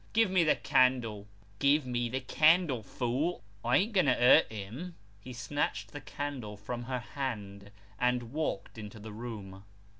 Give me the candle give me the candle, fool I ain't going to hurt him." He snatched the candle from her hand, and walked into the room.